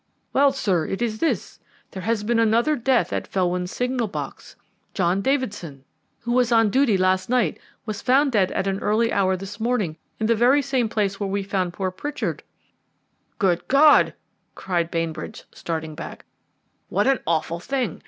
"Well, sir, it is this: there has been another death at Felwyn signal box. John Davidson, who was on duty last night, was found dead at an early hour this morning in the very same place where we found poor Pritchard." "Good God!" cried Bainbridge, starting back, "what an awful thing!